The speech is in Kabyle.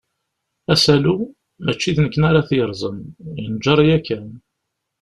Asalu, mačči d nekni ara t-yerẓen, yenǧer yakan.